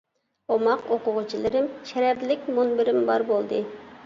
ئوماق ئوقۇغۇچىلىرىم، شەرەپلىك مۇنبىرىم بار بولدى.